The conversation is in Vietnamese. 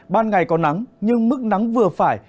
ban ngày có nắng nhưng mức nắng vừa phải